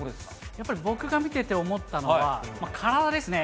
やっぱり僕が見てて思ったのは、体ですね。